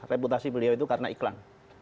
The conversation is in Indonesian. reputasi beliau itu karena iklan